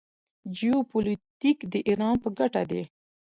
جیوپولیټیک د ایران په ګټه دی.